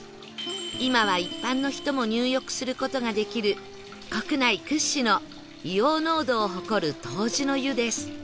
今は一般の人も入浴する事ができる国内屈指の硫黄濃度を誇る湯治の湯です